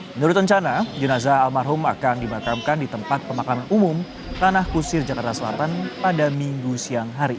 menurut rencana jenazah almarhum akan dimakamkan di tempat pemakaman umum tanah kusir jakarta selatan pada minggu siang hari